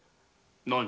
何？